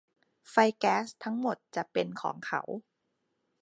ไฟแก๊สทั้งหมดจะเป็นของเขา